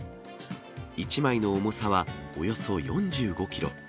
１枚の重さはおよそ４５キロ。